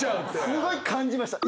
すごい感じました。